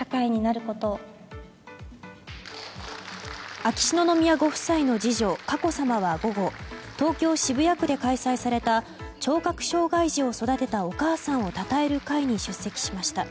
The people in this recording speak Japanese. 秋篠宮ご夫妻の次女佳子さまは午後東京・渋谷区で開催された聴覚障害児を育てたお母さんをたたえる会に出席しました。